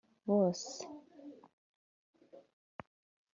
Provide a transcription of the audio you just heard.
bose